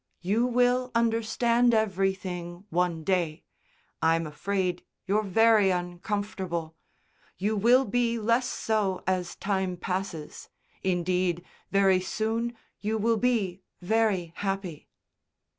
"You will understand everything one day. I'm afraid you're very uncomfortable. You will be less so as time passes. Indeed, very soon you will be very happy."